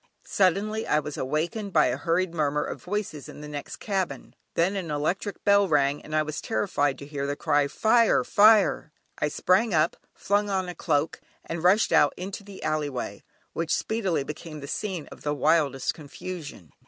Suddenly I was awakened by a hurried murmur of voices in the next cabin, then an electric bell rang and I was terrified to hear the cry: "Fire! Fire!" I sprang up, flung on a cloak, and rushed out into the "Alley Way," which speedily became the scene of the wildest confusion.